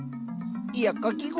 いやかき氷